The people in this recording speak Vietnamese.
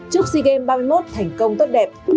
chúc sigem ba mươi một thành công tốt đẹp